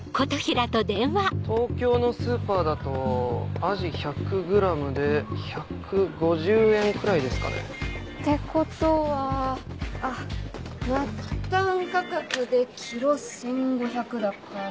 東京のスーパーだとアジ１００ｇで１５０円くらいですかね。ってことは末端価格でｋｇ１５００だから。